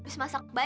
baru masa ibu